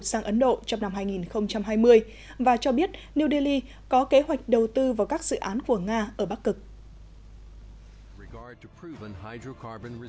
sang ấn độ trong năm hai nghìn hai mươi và cho biết new delhi có kế hoạch đầu tư vào các dự án của nga ở bắc cực